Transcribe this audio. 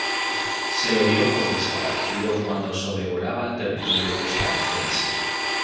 Se lo dio por desaparecido cuando sobrevolaba territorio costarricense.